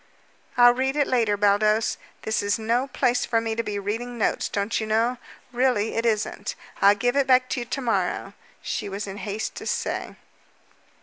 "I'll read it later, Baldos. This is no place for me to be reading notes, don't you know? Really, it isn't. I'll give it back to you to morrow," she was in haste to say.